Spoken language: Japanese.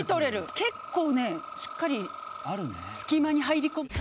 結構ねしっかり隙間に入り込む。